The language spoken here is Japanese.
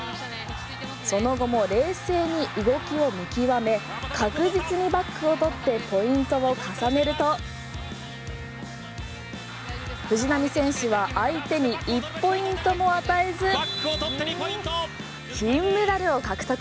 その後も冷静に動きを見極め確実にバックを取ってポイントを重ねると藤波選手は相手に１ポイントも与えず金メダルを獲得。